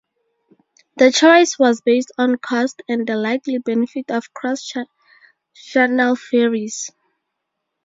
The choice was based on cost and the likely benefit of cross-channel ferries.